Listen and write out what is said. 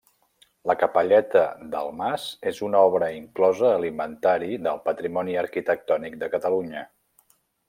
La capelleta del mas és una obra inclosa a l'Inventari del Patrimoni Arquitectònic de Catalunya.